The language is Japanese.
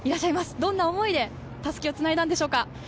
どんな思いでたすきをつないだんでしょうか？